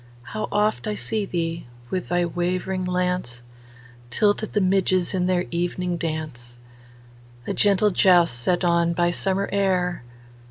How oft I see thee, with thy wavering lance, Tilt at the midges in their evening dance,A gentle joust set on by summer air!